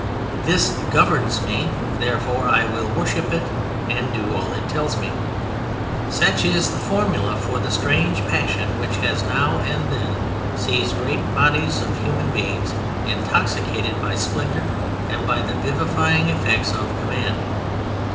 "This governs me; therefore I will worship it and do all it tells me." Such is the formula for the strange passion which has now and then seized great bodies of human beings intoxicated by splendor and by the vivifying effects of command.